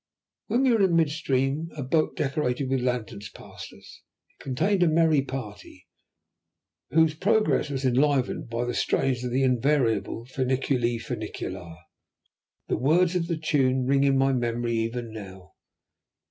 When we were in mid stream a boat decorated with lanterns passed us. It contained a merry party, whose progress was enlivened by the strains of the invariable Finiculi Finicula. The words and the tune ring in my memory even now.